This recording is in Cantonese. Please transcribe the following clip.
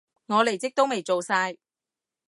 我離職都未做晒